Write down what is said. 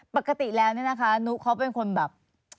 ปกติแล้วเนี่ยนะคะนุเขาเป็นคนแบบ